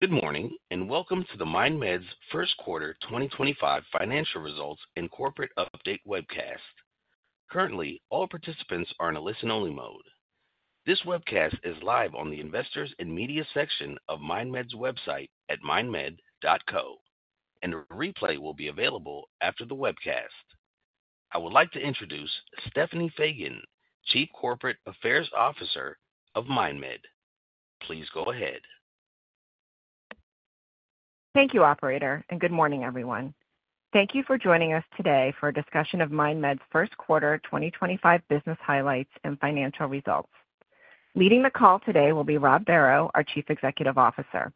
Good morning and welcome to MindMed's first quarter 2025 financial results and corporate update webcast. Currently, all participants are in a listen-only mode. This webcast is live on the investors and media section of MindMed's website at mindmed.co, and a replay will be available after the webcast. I would like to introduce Stephanie Fagan, Chief Corporate Affairs Officer of MindMed. Please go ahead. Thank you, Operator, and good morning, everyone. Thank you for joining us today for a discussion of MindMed's first quarter 2025 business highlights and financial results. Leading the call today will be Rob Barrow, our Chief Executive Officer.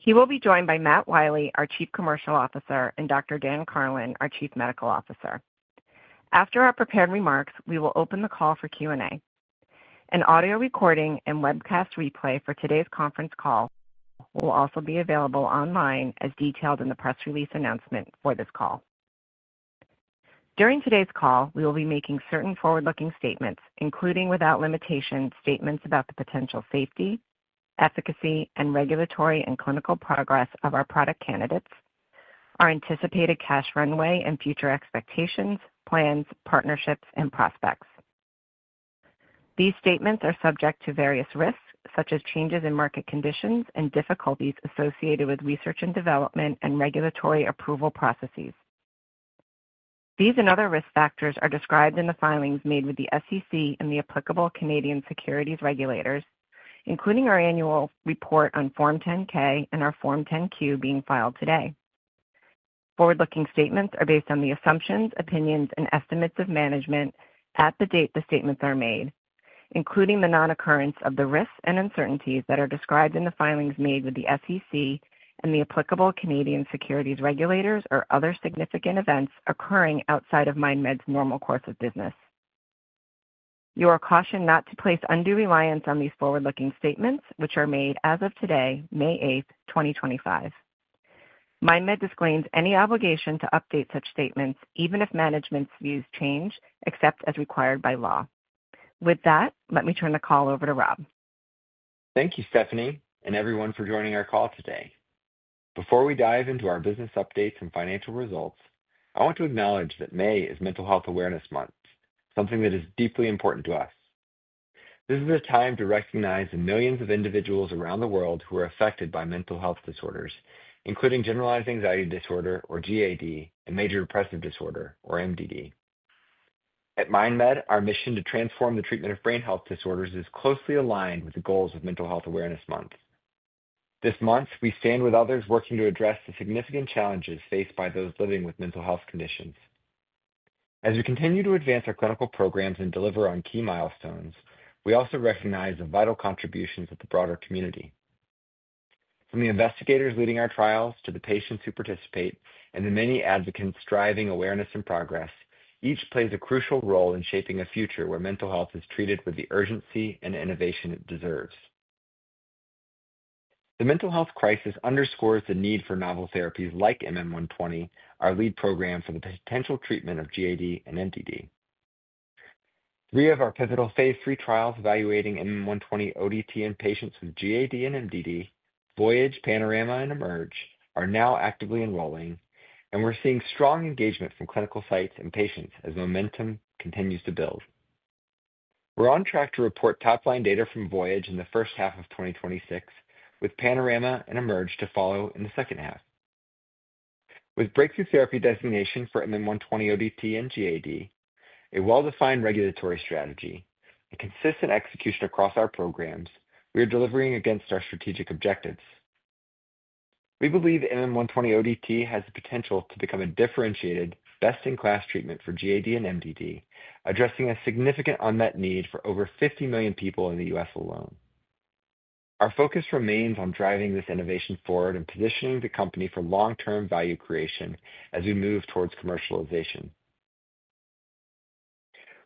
He will be joined by Matt Wiley, our Chief Commercial Officer, and Dr. Dan Karlin, our Chief Medical Officer. After our prepared remarks, we will open the call for Q&A. An audio recording and webcast replay for today's conference call will also be available online as detailed in the press release announcement for this call. During today's call, we will be making certain forward-looking statements, including without limitation statements about the potential safety, efficacy, and regulatory and clinical progress of our product candidates, our anticipated cash runway, and future expectations, plans, partnerships, and prospects. These statements are subject to various risks, such as changes in market conditions and difficulties associated with research and development and regulatory approval processes. These and other risk factors are described in the filings made with the SEC and the applicable Canadian securities regulators, including our annual report on Form 10-K and our Form 10-Q being filed today. Forward-looking statements are based on the assumptions, opinions, and estimates of management at the date the statements are made, including the non-occurrence of the risks and uncertainties that are described in the filings made with the SEC and the applicable Canadian securities regulators or other significant events occurring outside of MindMed's normal course of business. You are cautioned not to place undue reliance on these forward-looking statements, which are made as of today, May 8th, 2025. MindMed disclaims any obligation to update such statements, even if management's views change, except as required by law. With that, let me turn the call over to Rob. Thank you, Stephanie, and everyone for joining our call today. Before we dive into our business updates and financial results, I want to acknowledge that May is Mental Health Awareness Month, something that is deeply important to us. This is a time to recognize the millions of individuals around the world who are affected by mental health disorders, including Generalized Anxiety Disorder, or GAD, and Major Depressive Disorder, or MDD. At MindMed, our mission to transform the treatment of brain health disorders is closely aligned with the goals of Mental Health Awareness Month. This month, we stand with others working to address the significant challenges faced by those living with mental health conditions. As we continue to advance our clinical programs and deliver on key milestones, we also recognize the vital contributions of the broader community. From the investigators leading our trials to the patients who participate and the many advocates striving awareness and progress, each plays a crucial role in shaping a future where mental health is treated with the urgency and innovation it deserves. The mental health crisis underscores the need for novel therapies like MM120, our lead program for the potential treatment of GAD and MDD. Three of our pivotal phase III trials evaluating MM120 ODT in patients with GAD and MDD, Voyage, Panorama, and Emerge, are now actively enrolling, and we're seeing strong engagement from clinical sites and patients as momentum continues to build. We're on track to report top-line data from Voyage in the first half of 2026, with Panorama and Emerge to follow in the second half. With breakthrough therapy designation for MM120 ODT and GAD, a well-defined regulatory strategy, and consistent execution across our programs, we are delivering against our strategic objectives. We believe MM120 ODT has the potential to become a differentiated, best-in-class treatment for GAD and MDD, addressing a significant unmet need for over 50 million people in the U.S. alone. Our focus remains on driving this innovation forward and positioning the company for long-term value creation as we move towards commercialization.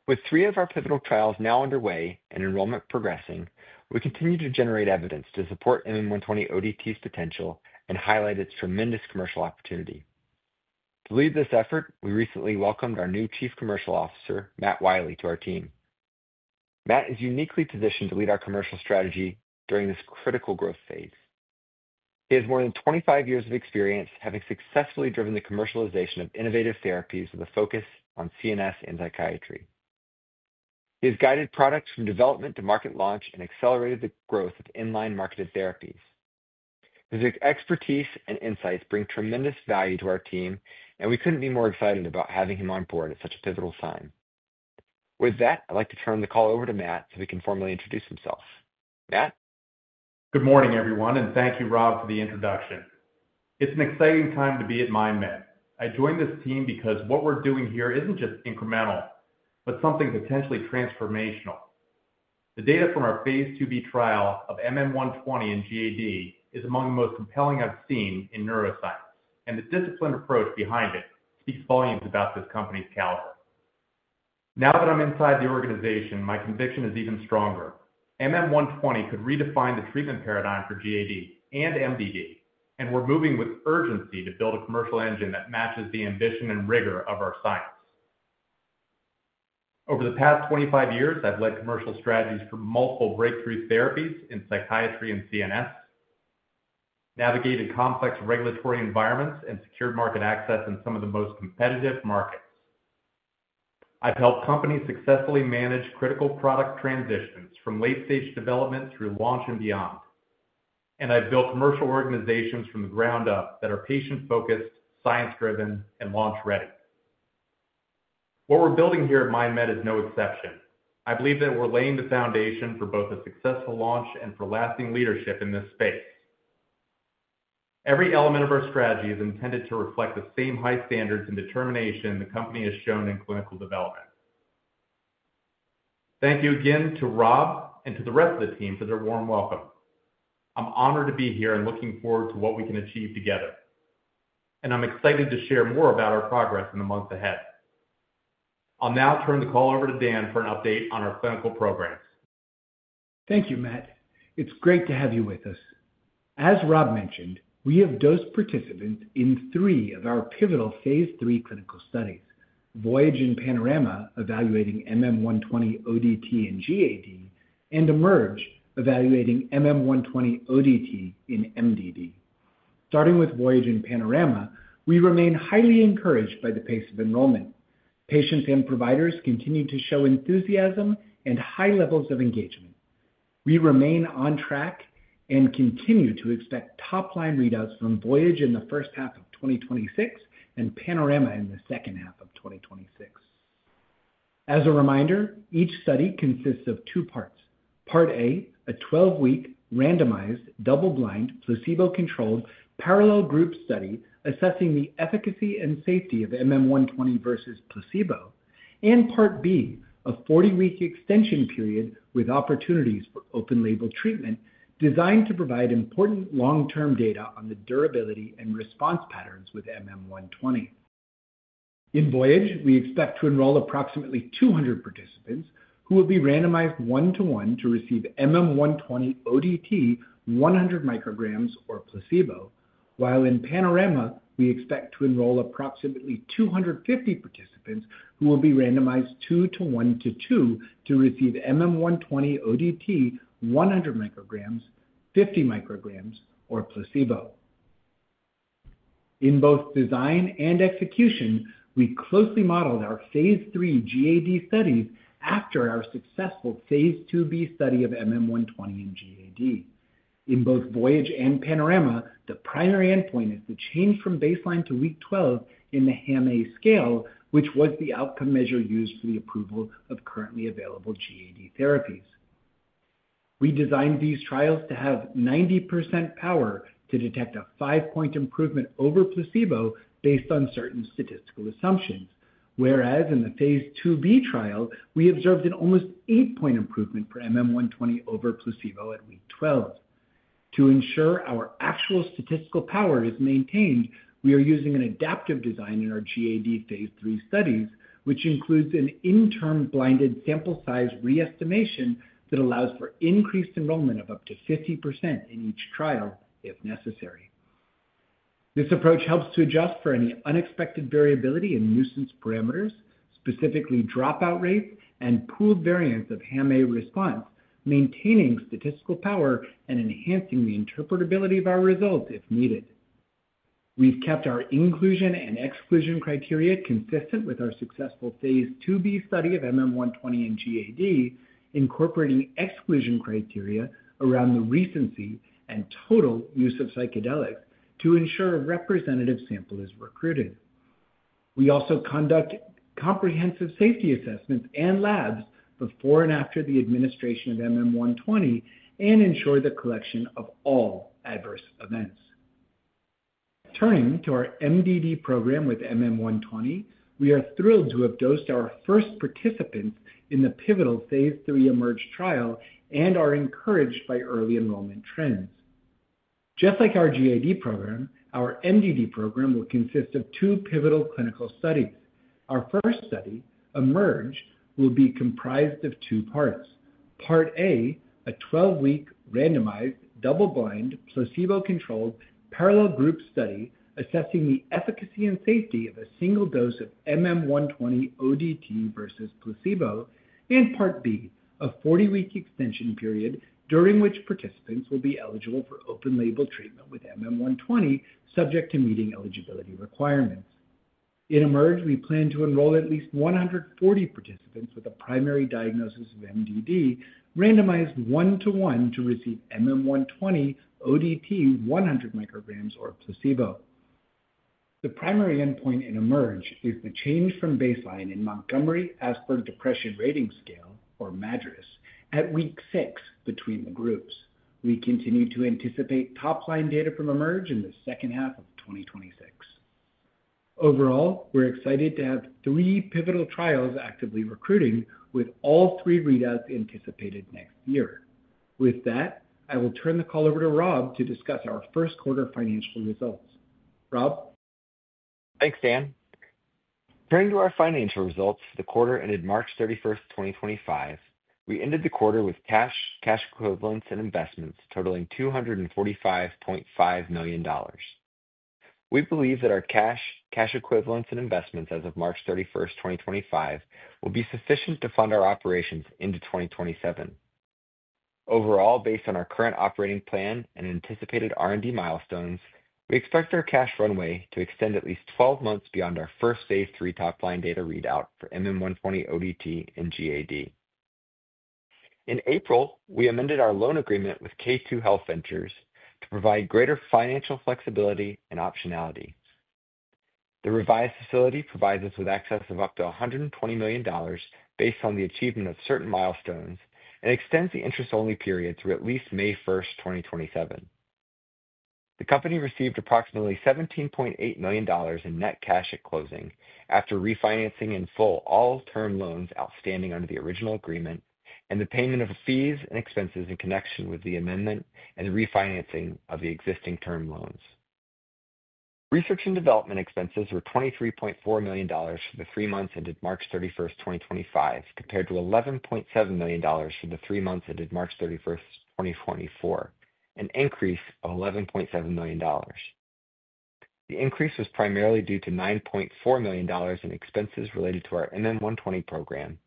With three of our pivotal trials now underway and enrollment progressing, we continue to generate evidence to support MM120 ODT's potential and highlight its tremendous commercial opportunity. To lead this effort, we recently welcomed our new Chief Commercial Officer, Matt Wiley, to our team. Matt is uniquely positioned to lead our commercial strategy during this critical growth phase. He has more than 25 years of experience, having successfully driven the commercialization of innovative therapies with a focus on CNS and psychiatry. He has guided products from development to market launch and accelerated the growth of in-line marketed therapies. His expertise and insights bring tremendous value to our team, and we couldn't be more excited about having him on board at such a pivotal time. With that, I'd like to turn the call over to Matt so he can formally introduce himself. Matt. Good morning, everyone, and thank you, Rob, for the introduction. It's an exciting time to be at MindMed. I joined this team because what we're doing here isn't just incremental, but something potentially transformational. The data from our phase IIb trial of MM120 in GAD is among the most compelling I've seen in neuroscience, and the disciplined approach behind it speaks volumes about this company's caliber. Now that I'm inside the organization, my conviction is even stronger. MM120 could redefine the treatment paradigm for GAD and MDD, and we're moving with urgency to build a commercial engine that matches the ambition and rigor of our science. Over the past 25 years, I've led commercial strategies for multiple breakthrough therapies in psychiatry and CNS, navigated complex regulatory environments, and secured market access in some of the most competitive markets. I've helped companies successfully manage critical product transitions from late-stage development through launch and beyond, and I've built commercial organizations from the ground up that are patient-focused, science-driven, and launch-ready. What we're building here at MindMed is no exception. I believe that we're laying the foundation for both a successful launch and for lasting leadership in this space. Every element of our strategy is intended to reflect the same high standards and determination the company has shown in clinical development. Thank you again to Rob and to the rest of the team for their warm welcome. I'm honored to be here and looking forward to what we can achieve together, and I'm excited to share more about our progress in the months ahead. I'll now turn the call over to Dan for an update on our clinical programs. Thank you, Matt. It's great to have you with us. As Rob mentioned, we have dosed participants in three of our pivotal phase III clinical studies: Voyage and Panorama evaluating MM120 ODT in GAD, and Emerge evaluating MM120 ODT in MDD. Starting with Voyage and Panorama, we remain highly encouraged by the pace of enrollment. Patients and providers continue to show enthusiasm and high levels of engagement. We remain on track and continue to expect top-line readouts from Voyage in the first half of 2026 and Panorama in the second half of 2026. As a reminder, each study consists of two parts. Part A, a 12-week randomized double-blind placebo-controlled parallel group study assessing the efficacy and safety of MM120 versus placebo, and Part B, a 40-week extension period with opportunities for open-label treatment designed to provide important long-term data on the durability and response patterns with MM120. In Voyage, we expect to enroll approximately 200 participants who will be randomized one-to-one to receive MM120 ODT 100 mcg or placebo, while in Panorama, we expect to enroll approximately 250 participants who will be randomized two-to-one-to-two to receive MM120 ODT 100 mcg, 50 mcg, or placebo. In both design and execution, we closely modeled our phase III GAD studies after our successful phase IIb study of MM120 and GAD. In both Voyage and Panorama, the primary endpoint is the change from baseline to week 12 in the HAM-A scale, which was the outcome measure used for the approval of currently available GAD therapies. We designed these trials to have 90% power to detect a five-point improvement over placebo based on certain statistical assumptions, whereas in the phase IIb trial, we observed an almost eight-point improvement for MM120 over placebo at week 12. To ensure our actual statistical power is maintained, we are using an adaptive design in our GAD phase III studies, which includes an interim blinded sample size re-estimation that allows for increased enrollment of up to 50% in each trial if necessary. This approach helps to adjust for any unexpected variability in nuisance parameters, specifically dropout rates and pooled variance of HAM-A response, maintaining statistical power and enhancing the interpretability of our results if needed. We've kept our inclusion and exclusion criteria consistent with our successful phase IIb study of MM120 and GAD, incorporating exclusion criteria around the recency and total use of psychedelics to ensure a representative sample is recruited. We also conduct comprehensive safety assessments and labs before and after the administration of MM120 and ensure the collection of all adverse events. Turning to our MDD program with MM120, we are thrilled to have dosed our first participants in the pivotal phase III Emerge trial and are encouraged by early enrollment trends. Just like our GAD program, our MDD program will consist of two pivotal clinical studies. Our first study, Emerge, will be comprised of two parts. Part A, a 12-week randomized double-blind placebo-controlled parallel group study assessing the efficacy and safety of a single dose of MM120 ODT versus placebo, and Part B, a 40-week extension period during which participants will be eligible for open-label treatment with MM120, subject to meeting eligibility requirements. In Emerge, we plan to enroll at least 140 participants with a primary diagnosis of MDD, randomized one-to-one to receive MM120 ODT 100 mcg or placebo. The primary endpoint in Emerge is the change from baseline in Montgomery-Åsberg Depression Rating Scale, or MADRS, at week six between the groups. We continue to anticipate top-line data from Emerge in the second half of 2026. Overall, we're excited to have three pivotal trials actively recruiting, with all three readouts anticipated next year. With that, I will turn the call over to Rob to discuss our first quarter financial results. Rob. Thanks, Dan. Turning to our financial results for the quarter ended March 31st, 2025, we ended the quarter with cash, cash equivalents, and investments totaling $245.5 million. We believe that our cash, cash equivalents, and investments as of March 31st, 2025, will be sufficient to fund our operations into 2027. Overall, based on our current operating plan and anticipated R&D milestones, we expect our cash runway to extend at least 12 months beyond our first phase III top-line data readout for MM120 ODT and GAD. In April, we amended our loan agreement with K2 Health Ventures to provide greater financial flexibility and optionality. The revised facility provides us with access of up to $120 million based on the achievement of certain milestones and extends the interest-only period through at least May 1st, 2027. The company received approximately $17.8 million in net cash at closing after refinancing in full all term loans outstanding under the original agreement and the payment of fees and expenses in connection with the amendment and refinancing of the existing term loans. Research and development expenses were $23.4 million for the three months ended March 31st, 2025, compared to $11.7 million for the three months ended March 31st, 2024, an increase of $11.7 million. The increase was primarily due to $9.4 million in expenses related to our MM120 program,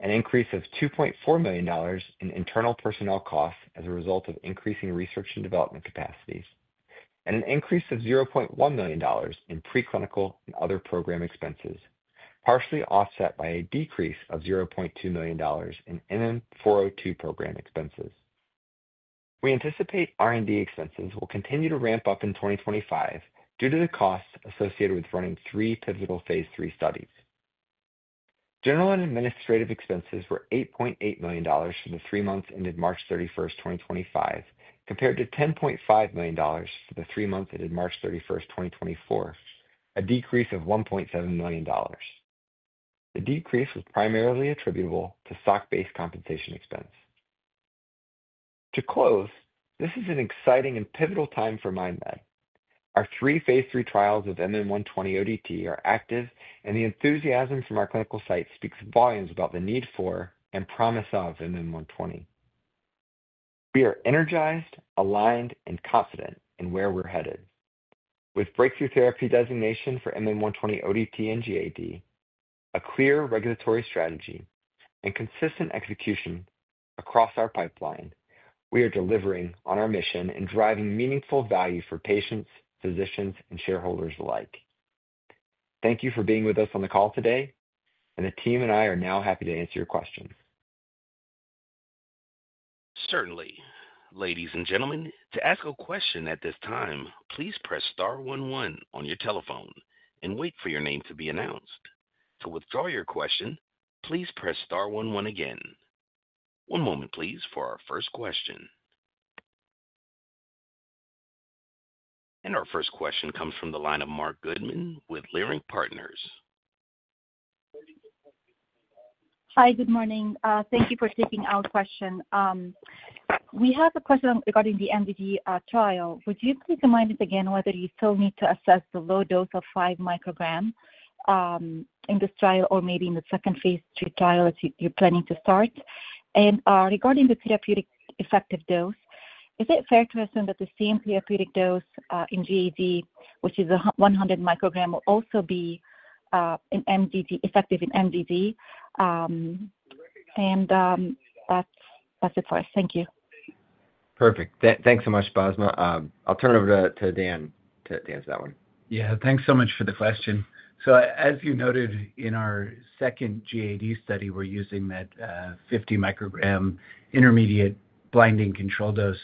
an increase of $2.4 million in internal personnel costs as a result of increasing research and development capacities, and an increase of $0.1 million in preclinical and other program expenses, partially offset by a decrease of $0.2 million in MM402 program expenses. We anticipate R&D expenses will continue to ramp up in 2025 due to the costs associated with running three pivotal phase III studies. General and administrative expenses were $8.8 million for the three months ended March 31st, 2025, compared to $10.5 million for the three months ended March 31st, 2024, a decrease of $1.7 million. The decrease was primarily attributable to stock-based compensation expense. To close, this is an exciting and pivotal time for MindMed. Our three phase III trials of MM120 ODT are active, and the enthusiasm from our clinical sites speaks volumes about the need for and promise of MM120. We are energized, aligned, and confident in where we're headed. With breakthrough therapy designation for MM120 ODT in GAD, a clear regulatory strategy, and consistent execution across our pipeline, we are delivering on our mission and driving meaningful value for patients, physicians, and shareholders alike. Thank you for being with us on the call today, and the team and I are now happy to answer your questions. Certainly. Ladies and gentlemen, to ask a question at this time, please press star 11 on your telephone and wait for your name to be announced. To withdraw your question, please press star 11 again. One moment, please, for our first question. Our first question comes from the line of Marc Goodman with Leerink Partners. Hi, good morning. Thank you for taking our question. We have a question regarding the MDD trial. Would you please remind us again whether you still need to assess the low dose of five micrograms in this trial or maybe in the second phase III trial as you're planning to start? Regarding the therapeutic effective dose, is it fair to assume that the same therapeutic dose in GAD, which is 100 mcg, will also be effective in MDD? That is it for us. Thank you. Perfect. Thanks so much, Basma. I'll turn it over to Dan to answer that one. Yeah, thanks so much for the question. As you noted, in our second GAD study, we're using that 50 mcg intermediate blinding control dose.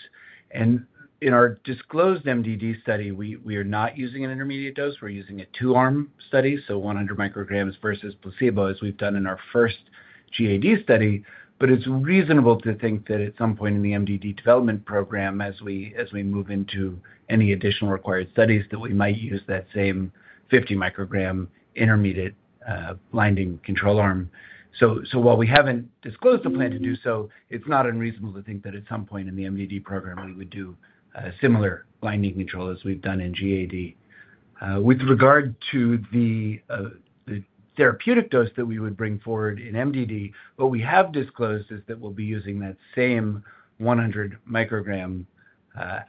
In our disclosed MDD study, we are not using an intermediate dose. We're using a two-arm study, 100 mcg versus placebo as we've done in our first GAD study. It's reasonable to think that at some point in the MDD development program, as we move into any additional required studies, we might use that same 50 mcg intermediate blinding control arm. While we haven't disclosed a plan to do so, it's not unreasonable to think that at some point in the MDD program, we would do a similar blinding control as we've done in GAD. With regard to the therapeutic dose that we would bring forward in MDD, what we have disclosed is that we'll be using that same 100 mcg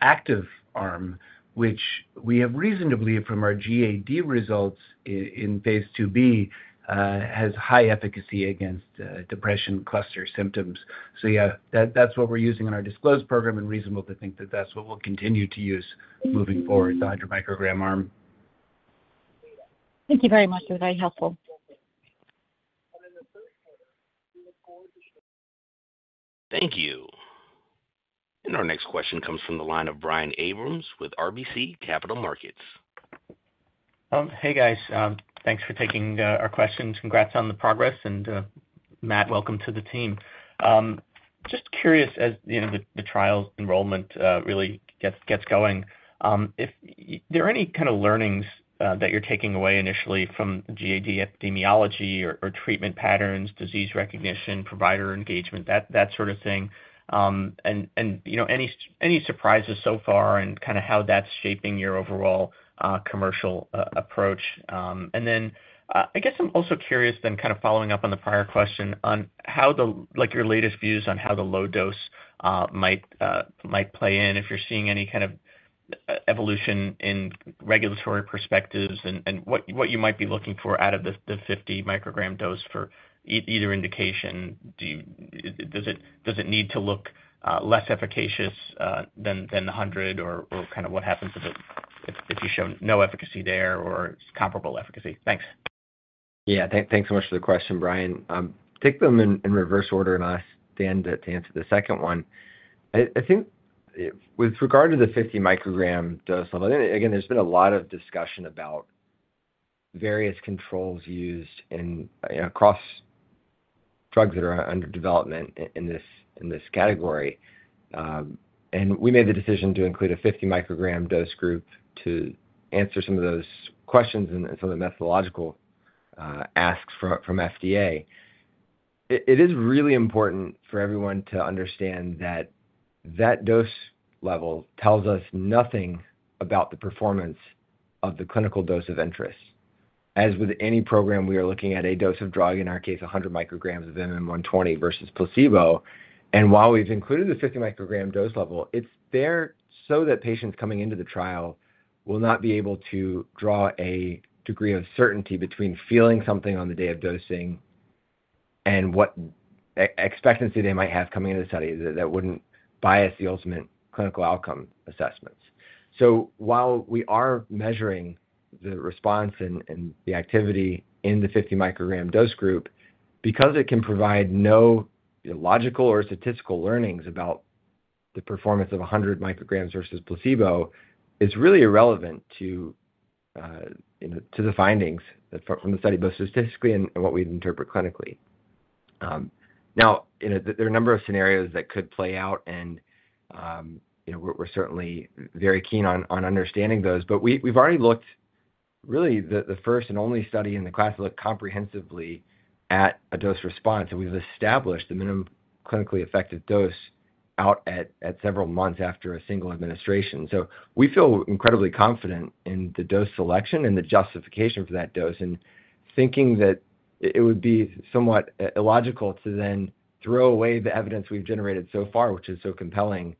active arm, which we have reason to believe from our GAD results in phase IIb has high efficacy against depression cluster symptoms. Yeah, that's what we're using in our disclosed program, and reasonable to think that that's what we'll continue to use moving forward, the 100 mcg arm. Thank you very much. It was very helpful. Thank you. Our next question comes from the line of Brian Abrams with RBC Capital Markets. Hey, guys. Thanks for taking our questions. Congrats on the progress. Matt, welcome to the team. Just curious, as the trial enrollment really gets going, are there any kind of learnings that you're taking away initially from GAD epidemiology or treatment patterns, disease recognition, provider engagement, that sort of thing? Any surprises so far and kind of how that's shaping your overall commercial approach? I guess I'm also curious, kind of following up on the prior question, on your latest views on how the low dose might play in, if you're seeing any kind of evolution in regulatory perspectives and what you might be looking for out of the 50 mcg dose for either indication. Does it need to look less efficacious than 100, or kind of what happens if you show no efficacy there or comparable efficacy? Thanks. Yeah, thanks so much for the question, Brian. Take them in reverse order and ask Dan to answer the second one. I think with regard to the 50 mcg dose, again, there's been a lot of discussion about various controls used across drugs that are under development in this category. We made the decision to include a 50 mcg dose group to answer some of those questions and some of the methodological asks from FDA. It is really important for everyone to understand that that dose level tells us nothing about the performance of the clinical dose of interest. As with any program, we are looking at a dose of drug, in our case, 100 mcg of MM120 versus placebo. While we've included the 50 mcg dose level, it's there so that patients coming into the trial will not be able to draw a degree of certainty between feeling something on the day of dosing and what expectancy they might have coming into the study that would not bias the ultimate clinical outcome assessments. While we are measuring the response and the activity in the 50 mcg dose group, because it can provide no logical or statistical learnings about the performance of 100 mcg versus placebo, it's really irrelevant to the findings from the study, both statistically and what we interpret clinically. There are a number of scenarios that could play out, and we're certainly very keen on understanding those. We've already looked, really, the first and only study in the class looked comprehensively at a dose response. We have established the minimum clinically effective dose out at several months after a single administration. We feel incredibly confident in the dose selection and the justification for that dose. It would be somewhat illogical to then throw away the evidence we have generated so far, which is so compelling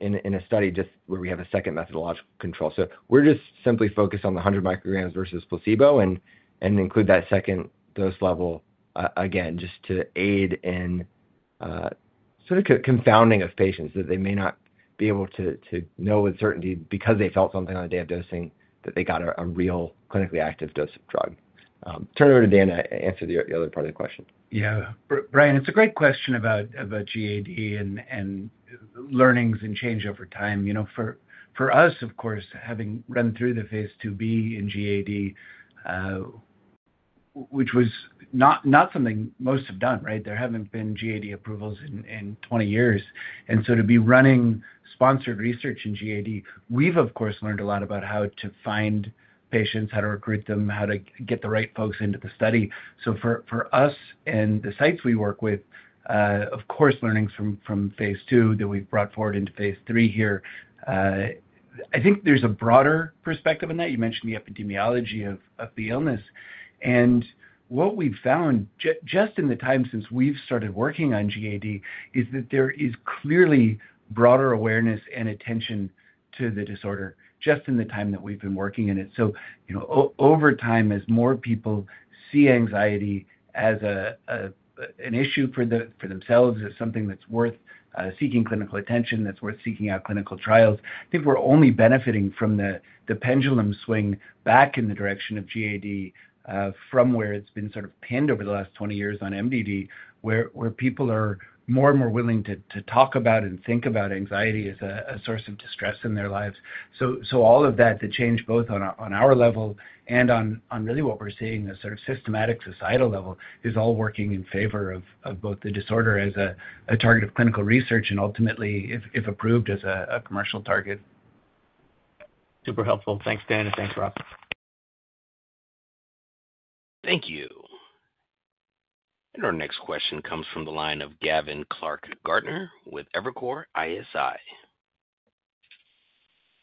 in a study just where we have a second methodological control. We are simply focused on the 100 mcg versus placebo and include that second dose level again, just to aid in sort of confounding of patients that they may not be able to know with certainty because they felt something on the day of dosing that they got a real clinically active dose of drug. Turn it over to Dan to answer the other part of the question. Yeah. Brian, it is a great question about GAD and learnings and change over time. For us, of course, having run through the phase IIb in GAD, which was not something most have done, right? There have not been GAD approvals in 20 years. To be running sponsored research in GAD, we have, of course, learned a lot about how to find patients, how to recruit them, how to get the right folks into the study. For us and the sites we work with, of course, learnings from phase II that we have brought forward into phase III here, I think there is a broader perspective in that. You mentioned the epidemiology of the illness. What we have found just in the time since we started working on GAD is that there is clearly broader awareness and attention to the disorder just in the time that we have been working in it. Over time, as more people see anxiety as an issue for themselves, as something that's worth seeking clinical attention, that's worth seeking out clinical trials, I think we're only benefiting from the pendulum swing back in the direction of GAD from where it's been sort of pinned over the last 20 years on MDD, where people are more and more willing to talk about and think about anxiety as a source of distress in their lives. All of that, the change both on our level and on really what we're seeing as sort of systematic societal level, is all working in favor of both the disorder as a target of clinical research and ultimately, if approved, as a commercial target. Super helpful. Thanks, Dan, and thanks, Rob. Thank you. Our next question comes from the line of Gavin Clark Gardner with Evercore ISI.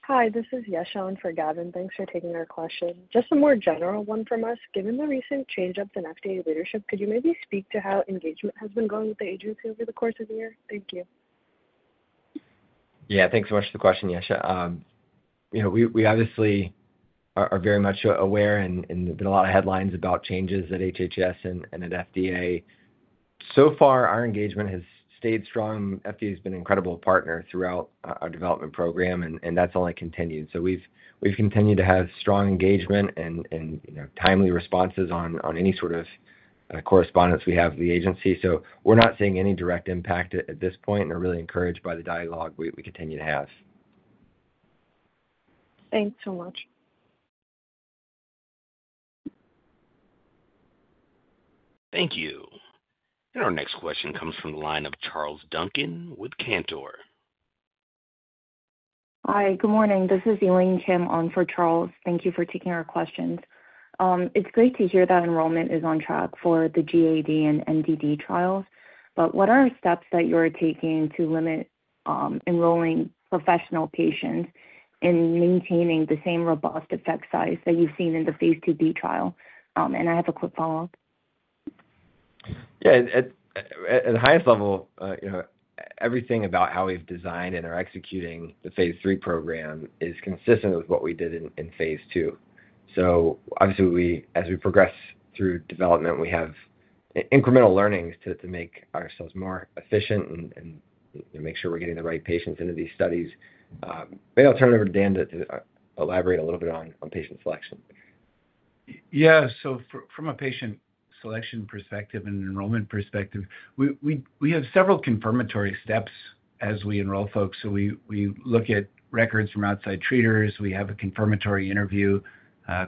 Hi, this is Shean for Gavin. Thanks for taking our question. Just a more general one from us. Given the recent change-ups in FDA leadership, could you maybe speak to how engagement has been going with the agency over the course of the year? Thank you. Yeah, thanks so much for the question, Yasha. We obviously are very much aware and there's been a lot of headlines about changes at HHS and at FDA. So far, our engagement has stayed strong. FDA has been an incredible partner throughout our development program, and that's only continued. We've continued to have strong engagement and timely responses on any sort of correspondence we have with the agency. We're not seeing any direct impact at this point, and we're really encouraged by the dialogue we continue to have. Thanks so much. Thank you. Our next question comes from the line of Charles Duncan with Cantor. Hi, good morning. This is Elaine Kim on for Charles. Thank you for taking our questions. It's great to hear that enrollment is on track for the GAD and MDD trials. What are steps that you're taking to limit enrolling professional patients in maintaining the same robust effect size that you've seen in the phase IIb trial? I have a quick follow-up. Yeah. At the highest level, everything about how we've designed and are executing the phase III program is consistent with what we did in phase II. Obviously, as we progress through development, we have incremental learnings to make ourselves more efficient and make sure we're getting the right patients into these studies. Maybe I'll turn it over to Dan to elaborate a little bit on patient selection. Yeah. From a patient selection perspective and enrollment perspective, we have several confirmatory steps as we enroll folks. We look at records from outside treaters. We have a confirmatory interview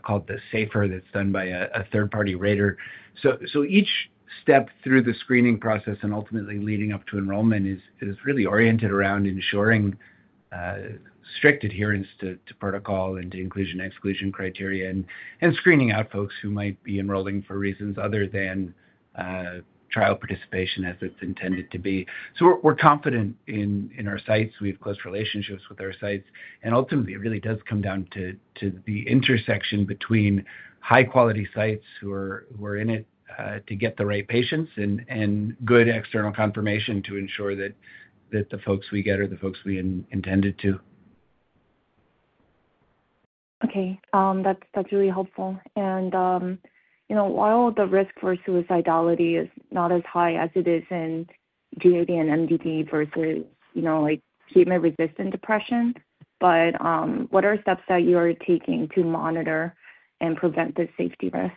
called the SAFER that's done by a third-party rater. Each step through the screening process and ultimately leading up to enrollment is really oriented around ensuring strict adherence to protocol and to inclusion/exclusion criteria and screening out folks who might be enrolling for reasons other than trial participation as it's intended to be. We're confident in our sites. We have close relationships with our sites. Ultimately, it really does come down to the intersection between high-quality sites who are in it to get the right patients and good external confirmation to ensure that the folks we get are the folks we intended to. Okay. That's really helpful. While the risk for suicidality is not as high as it is in GAD and MDD versus treatment-resistant depression, what are steps that you are taking to monitor and prevent the safety risks?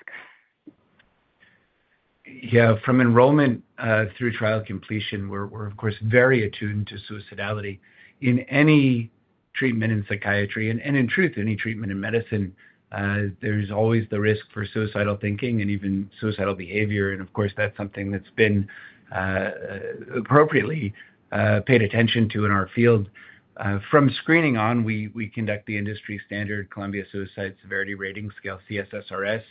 Yeah. From enrollment through trial completion, we're, of course, very attuned to suicidality. In any treatment in psychiatry, and in truth, any treatment in medicine, there's always the risk for suicidal thinking and even suicidal behavior. Of course, that's something that's been appropriately paid attention to in our field. From screening on, we conduct the industry standard Columbia-Suicide Severity Rating Scale, CSSRS,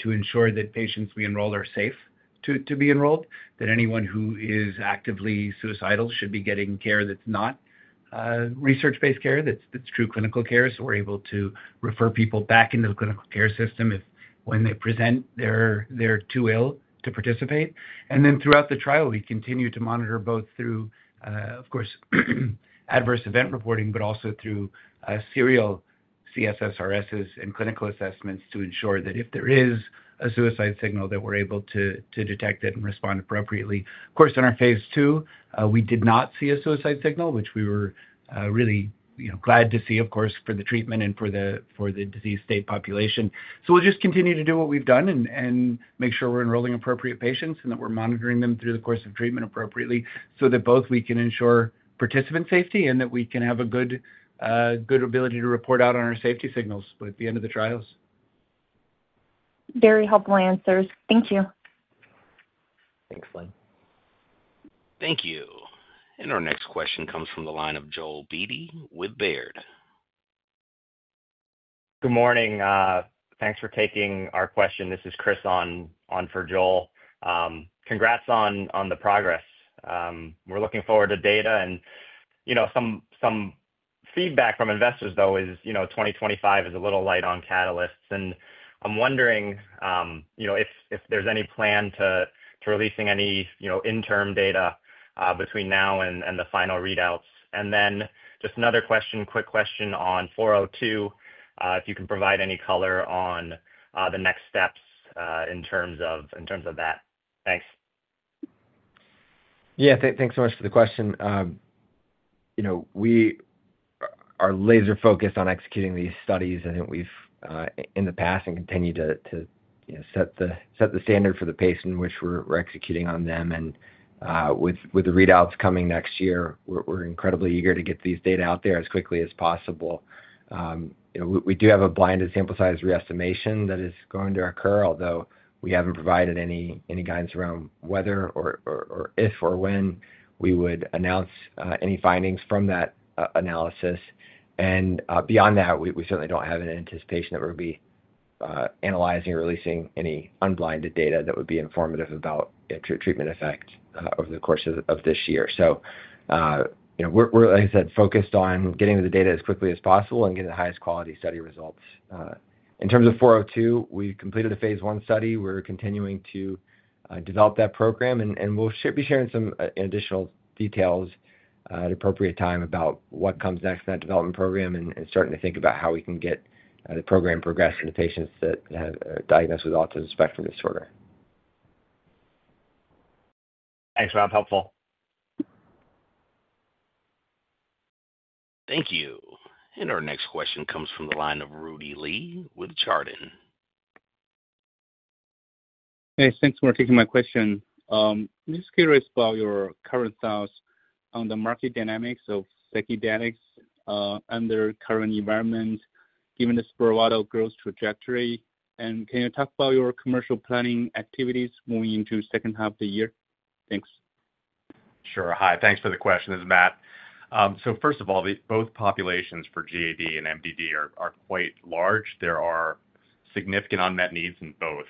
to ensure that patients we enroll are safe to be enrolled, that anyone who is actively suicidal should be getting care that's not research-based care, that's true clinical care, so we're able to refer people back into the clinical care system when they present they're too ill to participate. Throughout the trial, we continue to monitor both through, of course, adverse event reporting, but also through serial CSSRSs and clinical assessments to ensure that if there is a suicide signal, that we're able to detect it and respond appropriately. Of course, in our phase II, we did not see a suicide signal, which we were really glad to see, of course, for the treatment and for the disease state population. We will just continue to do what we've done and make sure we're enrolling appropriate patients and that we're monitoring them through the course of treatment appropriately so that both we can ensure participant safety and that we can have a good ability to report out on our safety signals at the end of the trials. Very helpful answers. Thank you. Thanks, Elaine. Thank you. Our next question comes from the line of Joel Beedy with Baird. Good morning. Thanks for taking our question. This is Chris on for Joel. Congrats on the progress. We're looking forward to data. Some feedback from investors, though, is 2025 is a little light on catalysts. I'm wondering if there's any plan to releasing any interim data between now and the final readouts. Just another question, quick question on 402, if you can provide any color on the next steps in terms of that. Thanks. Yeah. Thanks so much for the question. We are laser-focused on executing these studies, I think, in the past and continue to set the standard for the pace in which we're executing on them. With the readouts coming next year, we're incredibly eager to get these data out there as quickly as possible. We do have a blinded sample size re-estimation that is going to occur, although we haven't provided any guidance around whether or if or when we would announce any findings from that analysis. Beyond that, we certainly don't have an anticipation that we're going to be analyzing or releasing any unblinded data that would be informative about treatment effects over the course of this year. Like I said, we're focused on getting the data as quickly as possible and getting the highest quality study results. In terms of 402, we've completed a phase I study. We're continuing to develop that program. We'll be sharing some additional details at an appropriate time about what comes next in that development program and starting to think about how we can get the program progressed in the patients that have diagnosed with autism spectrum disorder. Thanks, Rob. Helpful. Thank you. Our next question comes from the line of Rudy Li with Chardan. Hey, thanks for taking my question. I'm just curious about your current thoughts on the market dynamics of psychedelics under current environment, given the Spirit Water growth trajectory. Can you talk about your commercial planning activities moving into the second half of the year? Thanks. Sure. Hi. Thanks for the question. This is Matt. First of all, both populations for GAD and MDD are quite large. There are significant unmet needs in both.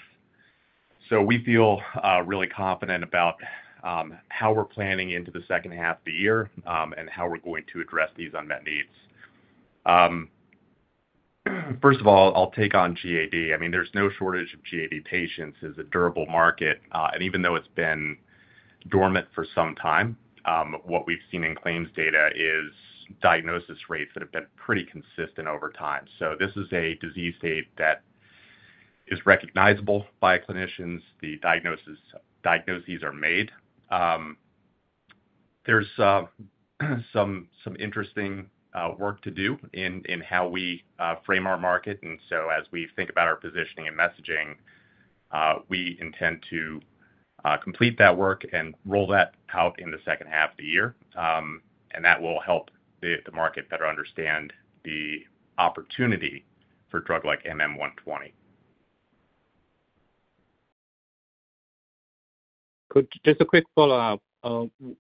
We feel really confident about how we're planning into the second half of the year and how we're going to address these unmet needs. First of all, I'll take on GAD. I mean, there's no shortage of GAD patients. It's a durable market. Even though it's been dormant for some time, what we've seen in claims data is diagnosis rates that have been pretty consistent over time. This is a disease state that is recognizable by clinicians. The diagnoses are made. There's some interesting work to do in how we frame our market. As we think about our positioning and messaging, we intend to complete that work and roll that out in the second half of the year. That will help the market better understand the opportunity for a drug like MM120. Just a quick follow-up.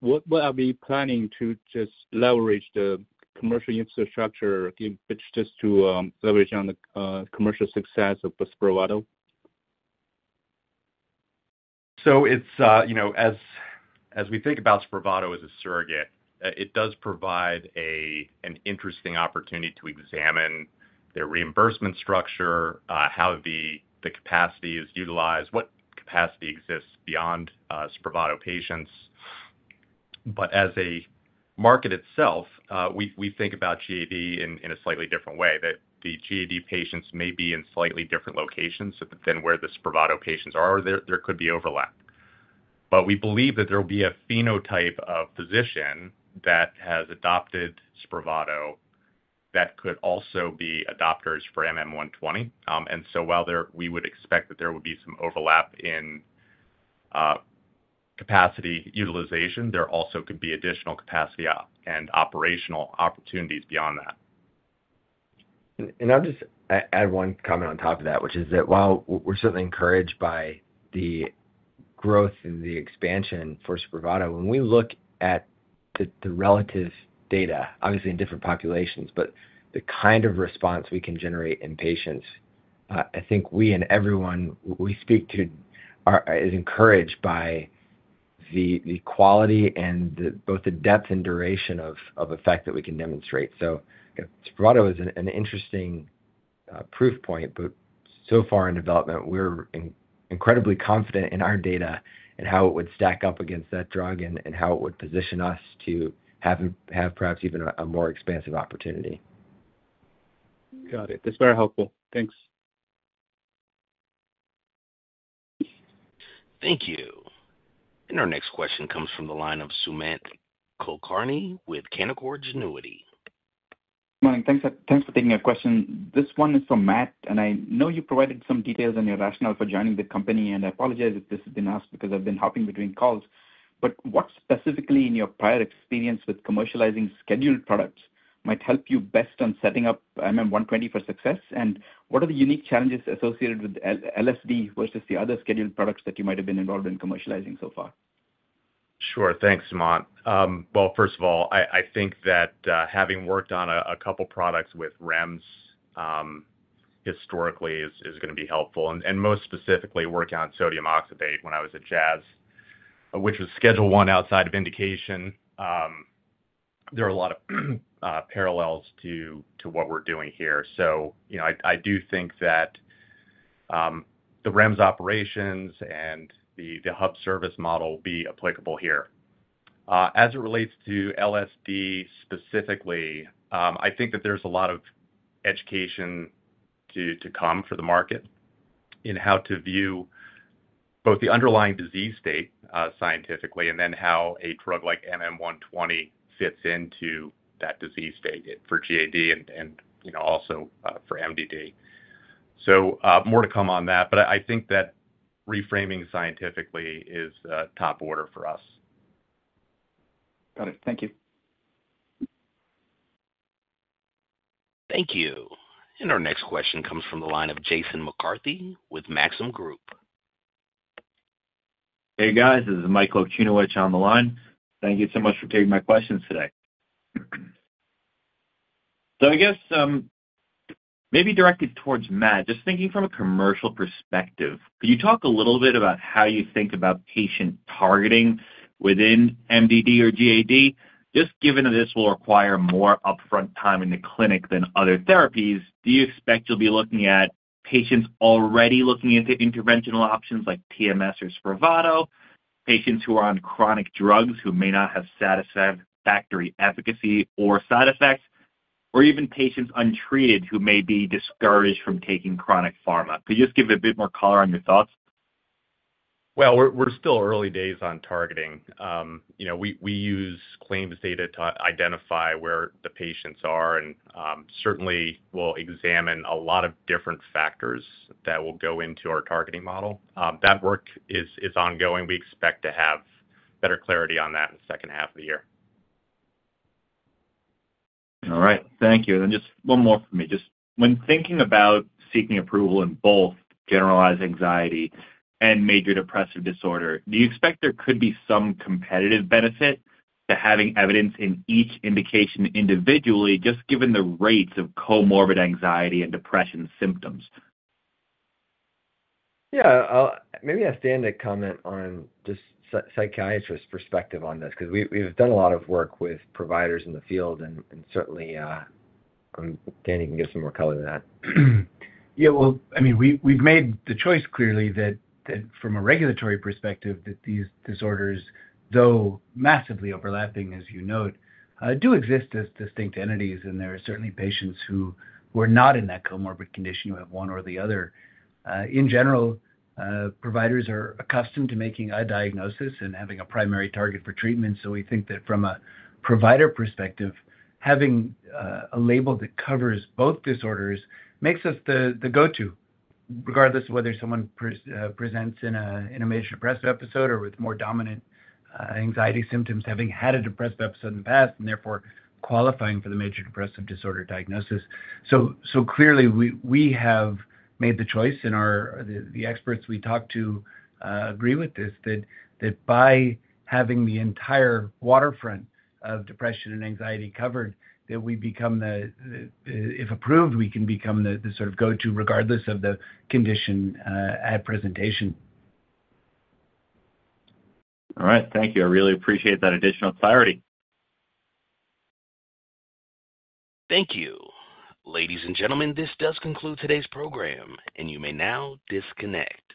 What are we planning to just leverage the commercial infrastructure just to leverage on the commercial success of Spravato? As we think about Spravato as a surrogate, it does provide an interesting opportunity to examine their reimbursement structure, how the capacity is utilized, what capacity exists beyond Spravato patients. As a market itself, we think about GAD in a slightly different way. The GAD patients may be in slightly different locations than where the Spravato patients are, or there could be overlap. We believe that there will be a phenotype of physician that has adopted Spravato that could also be adopters for MM120. While we would expect that there would be some overlap in capacity utilization, there also could be additional capacity and operational opportunities beyond that. I'll just add one comment on top of that, which is that while we're certainly encouraged by the growth and the expansion for Spravato, when we look at the relative data, obviously in different populations, but the kind of response we can generate in patients, I think we and everyone we speak to are encouraged by the quality and both the depth and duration of effect that we can demonstrate. Spravato is an interesting proof point, but so far in development, we're incredibly confident in our data and how it would stack up against that drug and how it would position us to have perhaps even a more expansive opportunity. Got it. That's very helpful. Thanks. Thank you. Our next question comes from the line of Samarth Kulkarni with CRISPR Therapeutics. Good morning. Thanks for taking your question. This one is for Matt, and I know you provided some details on your rationale for joining the company, and I apologize if this has been asked because I've been hopping between calls. What specifically in your prior experience with commercializing scheduled products might help you best on setting up MM120 for success? What are the unique challenges associated with LSD versus the other scheduled products that you might have been involved in commercializing so far? Sure. Thanks, Samarth. First of all, I think that having worked on a couple of products with REMS historically is going to be helpful. Most specifically, working on sodium oxybate when I was at Jazz, which was Schedule I outside of indication. There are a lot of parallels to what we're doing here. I do think that the REMS operations and the hub service model will be applicable here. As it relates to LSD specifically, I think that there's a lot of education to come for the market in how to view both the underlying disease state scientifically and then how a drug like MM120 fits into that disease state for GAD and also for MDD. More to come on that. I think that reframing scientifically is top order for us. Got it. Thank you. Thank you. Our next question comes from the line of Jason McCarthy with Maxim Group. Hey, guys. This is Michael Okunewitch on the line. Thank you so much for taking my questions today. I guess maybe directed towards Matt, just thinking from a commercial perspective, could you talk a little bit about how you think about patient targeting within MDD or GAD? Just given that this will require more upfront time in the clinic than other therapies, do you expect you'll be looking at patients already looking into interventional options like TMS or Spravato, patients who are on chronic drugs who may not have satisfactory efficacy or side effects, or even patients untreated who may be discouraged from taking chronic pharma? Could you just give a bit more color on your thoughts? We're still early days on targeting. We use claims data to identify where the patients are and certainly will examine a lot of different factors that will go into our targeting model. That work is ongoing. We expect to have better clarity on that in the second half of the year. All right. Thank you. And then just one more from me. Just when thinking about seeking approval in both generalized anxiety and major depressive disorder, do you expect there could be some competitive benefit to having evidence in each indication individually, just given the rates of comorbid anxiety and depression symptoms? Yeah. Maybe I'll stand to comment on just psychiatrist perspective on this because we've done a lot of work with providers in the field, and certainly, Dan can give some more color to that. Yeah. I mean, we've made the choice clearly that from a regulatory perspective, these disorders, though massively overlapping, as you note, do exist as distinct entities. There are certainly patients who are not in that comorbid condition, who have one or the other. In general, providers are accustomed to making a diagnosis and having a primary target for treatment. We think that from a provider perspective, having a label that covers both disorders makes us the go-to regardless of whether someone presents in a major depressive episode or with more dominant anxiety symptoms, having had a depressive episode in the past, and therefore qualifying for the major depressive disorder diagnosis. Clearly, we have made the choice, and the experts we talk to agree with this, that by having the entire waterfront of depression and anxiety covered, that we become the, if approved, we can become the sort of go-to regardless of the condition at presentation. All right. Thank you. I really appreciate that additional clarity. Thank you. Ladies and gentlemen, this does conclude today's program, and you may now disconnect.